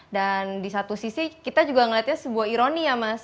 dan di satu sisi kita juga ngeliatnya sebuah ironi ya mas